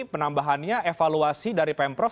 penambahannya evaluasi dari pemprov